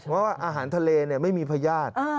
เพราะว่าอาหารทะเลไม่มีพญาติ